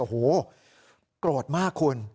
โหโกรธมากคุณ